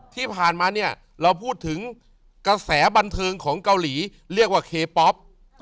ที่ผ่านมาเนี่ยเราพูดถึงกระแสบันเทิงของเกาหลีเรียกว่าเคป๊อป